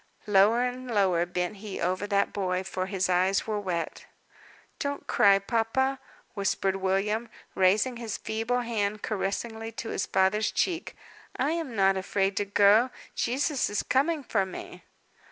Lower and lower bent he over that boy; for his eyes were wet. "Don't cry, papa," whispered William, raising his feeble hand caressingly to his father's cheek, "I am not afraid to go. Jesus is coming for me."